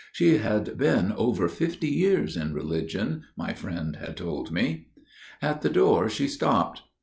She had been over fifty years in Religion, my friend had told me. "At the door she stopped.